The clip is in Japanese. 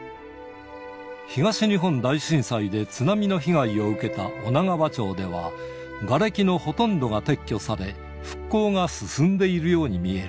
東日本大震災で津波の被害を受けた女川町では、がれきのほとんどが撤去され、復興が進んでいるように見える。